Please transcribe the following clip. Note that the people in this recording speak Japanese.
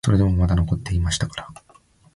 それでもまだ残っていましたから、